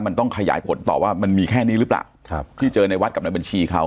มันต้องขยายผลต่อว่ามันมีแค่นี้หรือเปล่าครับที่เจอในวัดกับในบัญชีเขา